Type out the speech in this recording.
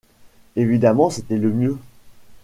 Évidemment c’était le mieux.